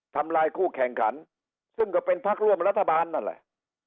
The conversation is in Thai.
ทำลายคู่แข่งขันซึ่งก็เป็นพักร่วมรัฐบาลนั่นแหละ